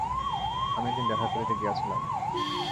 আমি একদিন দেখা করিতে গিয়াছিলাম।